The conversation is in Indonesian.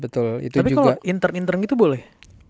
tapi kalau intern intern gitu boleh